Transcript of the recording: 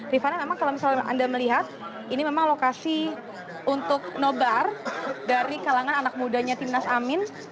rifana memang kalau misalnya anda melihat ini memang lokasi untuk nobar dari kalangan anak mudanya timnas amin